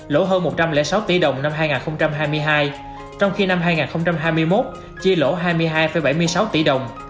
lỗ hơn một trăm linh sáu tỷ đồng năm hai nghìn hai mươi hai trong khi năm hai nghìn hai mươi một chi lỗ hai mươi hai bảy mươi sáu tỷ đồng